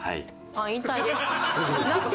引退です。